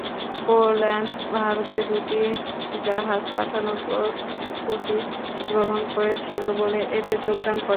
Poland ভারতে দুটি জাহাজ পাঠানোর প্রস্ত্ততি গ্রহণ করছিল বলে এতে যোগদান করে নি।